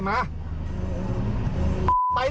มามามามา